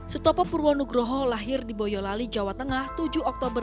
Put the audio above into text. sutopo purwono groho lahir di boyolali jawa tengah tujuh oktober seribu sembilan ratus enam puluh sembilan